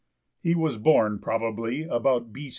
He was born probably about B.